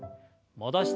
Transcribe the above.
戻して。